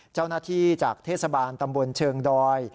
เจ้าหน้าที่จากเทศบาลตำบลเชิงดอย